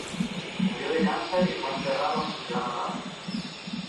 Murió de cáncer y fue enterrada en su ciudad natal.